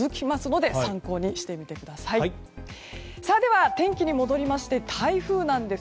では、天気に戻って台風です。